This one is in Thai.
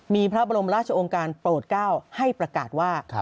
มีพระบรมราชองค์การโปรด๙ให้ประกาศว่า